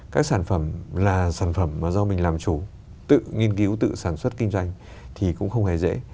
các sản phẩm là sản phẩm mà do mình làm chủ tự nghiên cứu tự sản xuất kinh doanh thì cũng không hề dễ